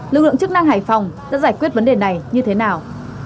lực lượng chức năng hải phòng đã giải quyết vấn đề này như thế nào